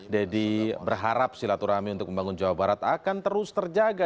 jadi berharap silaturahmi untuk membangun jawa barat akan terus terjaga